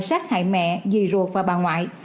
sát hại mẹ dì ruột và bà ngoại